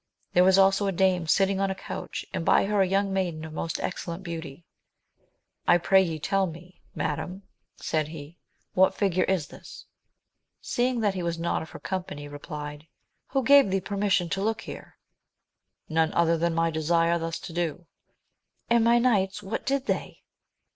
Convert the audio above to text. There was also a dame sitting on a couch, and by her a young maiden of most excellent beauty. I pray ye tell me, madam, said he, what figure is this. She seeing that he was not of her company, replied, who gave thee permission to look here ?— ^None other than my desire thus to do. — ^And my knights, what did they